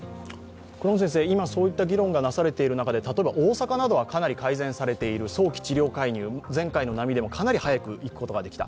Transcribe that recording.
今、そういった議論がなされている中で、例えば大阪などはかなり改善されている、早期治療介入、前回の波でもかなり早く行くことができた。